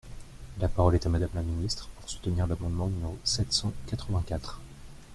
La parole est à Madame la ministre, pour soutenir l’amendement numéro sept cent quatre-vingt-quatre.